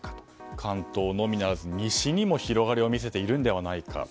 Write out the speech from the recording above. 関東のみならず西にも広がりを見せているのではないかと。